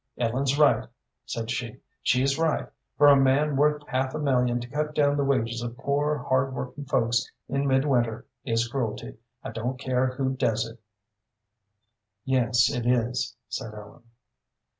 "Ellen's right," said she; "she's right. For a man worth half a million to cut down the wages of poor, hard working folks in midwinter is cruelty. I don't care who does it." "Yes, it is," said Ellen.